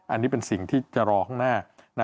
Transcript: อันนี้เป็นสิ่งที่จะรอข้างหน้า